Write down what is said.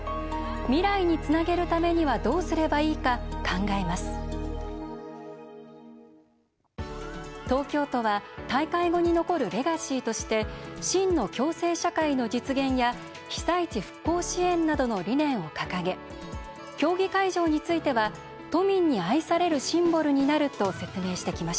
未来につなげるためにはどうすればいいか考えます東京都は大会後に残るレガシーとして「真の共生社会の実現」や「被災地復興支援」などの理念を掲げ競技会場については都民に愛されるシンボルになると説明してきました。